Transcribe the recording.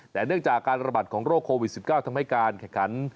แต่เนื่องจากการระบาดของโรคโควิด๑๙ทำให้การแข่งขัน